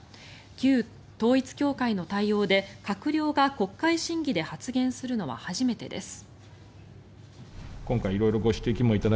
旧統一教会の対応で閣僚が国会審議で発言するのは初めてです。